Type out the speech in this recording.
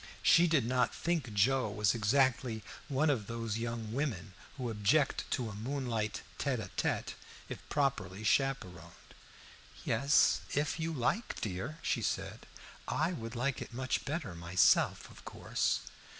She did not think Joe was exactly one of those young women who object to a moonlight tête à tête, if properly chaperoned. "Yes, if you like, dear," she said. "I would like it much better myself, of course."